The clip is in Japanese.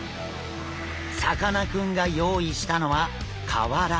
さかなクンが用意したのは瓦。